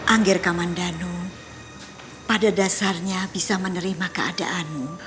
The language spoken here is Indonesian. anggir kamandano pada dasarnya bisa menerima keadaanmu